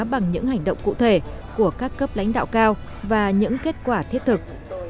bằng những hành động cụ thể của các cấp lãnh đạo cao và những kết quả thiết thực